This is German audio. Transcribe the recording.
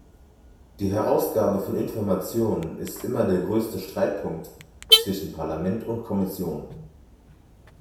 Die Herausgabe von Informationen ist immer der größte Streitpunkt zwischen Parlament und Kommission.